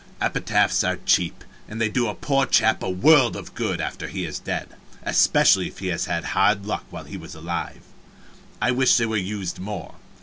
Epitaphs are cheap, and they do a poor chap a world of good after he is dead, especially if he had hard luck while he was alive. I wish they were used more.